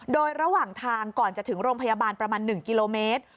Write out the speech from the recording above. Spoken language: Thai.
โดยระหว่างทางก่อนจะถึงโรงพยาบาลประมาณ๑กิโลเมตร